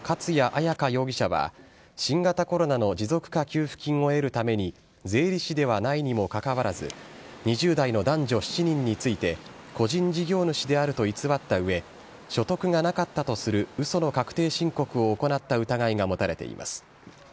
容疑者と勝谷彩夏容疑者は、新型コロナの持続化給付金を得るために、税理士ではないにもかかわらず、２０代の男女７人について、個人事業主であると偽ったうえ、所得がなかったとするうその確定申告を行った疑いが持たれています。